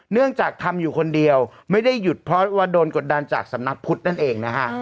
เนื่องจากทำอยู่คนเดียวไม่ได้หยุดเพราะว่าโดนกดดันจากสำนักพุทธนั่นเองนะฮะ